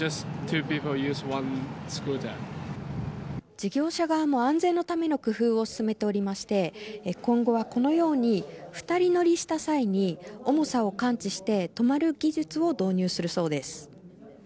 事業者側も安全のための工夫を進めておりまして今後は、このように２人乗りした際に重さを感知して止まる技術を導入するそうです。